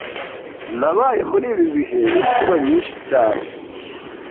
Nabaye muri ibi bihe inshuro nyinshi cyane